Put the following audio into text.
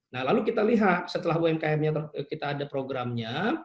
nah lalu kita lihat setelah umkmnya kita ada programnya